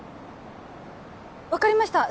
分かりました